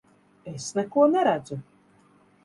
Es neko neredzu!